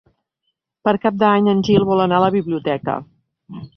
Per Cap d'Any en Gil vol anar a la biblioteca.